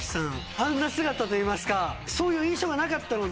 あんな姿といいますかそういう印象がなかったので。